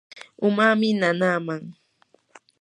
umami nanaaman.